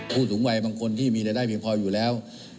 ผู้สูงวัยบางคนที่มีรายได้เพียงพออยู่แล้ว